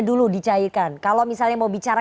dulu dicairkan kalau misalnya mau bicara